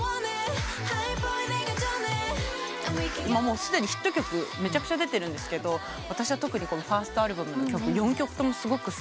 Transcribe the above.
すでにヒット曲めちゃくちゃ出てるんですけど私はファーストアルバムの曲４曲ともすごく好きで。